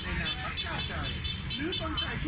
หรือสนใจช่วยงานทั้งไม่ว่าทางใดก็ตามสมัครได้แล้ว